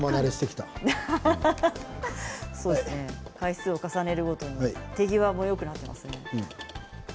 回数を重ねるごとに手際もよくなってきていますね。